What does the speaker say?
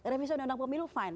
revisi undang undang pemilu fine